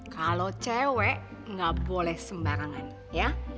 kalau cewek nggak boleh sembarangan ya